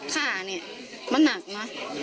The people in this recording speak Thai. ฆ่าเนี่ยมันหนักนะ